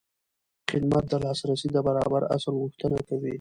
خدمت د لاسرسي د برابر اصل غوښتنه کوي.